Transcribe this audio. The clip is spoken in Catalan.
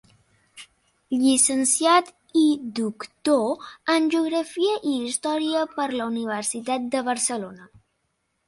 Llicenciat i doctor en Geografia i Història per la Universitat de Barcelona.